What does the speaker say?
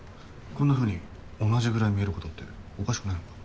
こんなふうに同じぐらい見えることっておかしくないのか？